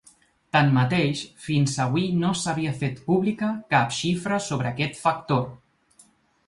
Tanmateix, fins avui no s’havia fet pública cap xifra sobre aquest factor.